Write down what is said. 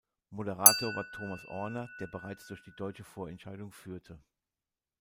Moderator war Thomas Ohrner, der bereits durch die deutsche Vorentscheidung führte.